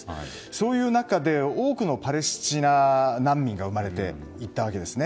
そういう中で多くのパレスチナ難民が生まれていったわけですね。